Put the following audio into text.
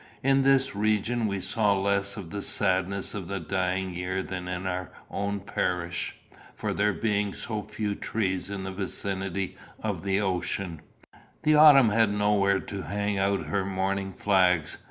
In this region we saw less of the sadness of the dying year than in our own parish, for there being so few trees in the vicinity of the ocean, the autumn had nowhere to hang out her mourning flags.